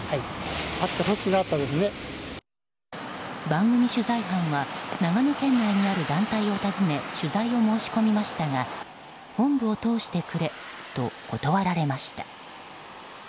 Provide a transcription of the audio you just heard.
番組取材班は長野県内にある団体を訪ね取材を申し込みましたが本部を通してくれと断られました。